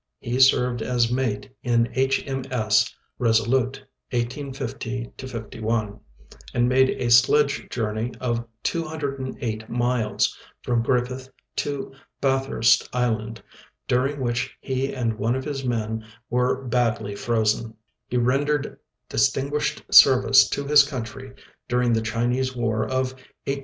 He served as mate in H. M. S. Resolute, 1850 '51, and made a sledge journey of 208 miles, from Griffith to Bathurst island, during which he and one of his men were badly frozen. He rendered distinguished service to his country during the Chinese war of 1858 '60.